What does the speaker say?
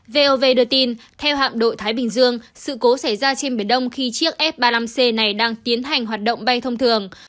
vov đưa tin theo hạm đội thái bình dương sự cố xảy ra trên biển đông khi chiếc s ba mươi năm c này đang tiến hành hoạt động bay thông thường